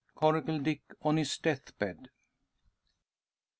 CORACLE DICK ON HIS DEATH BED.